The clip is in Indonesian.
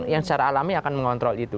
yang secara alami akan mengontrol itu